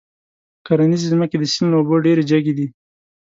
کرنيزې ځمکې د سيند له اوبو ډېرې جګې دي.